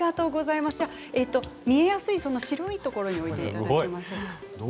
見えやすい白いところに置いていただきましょう。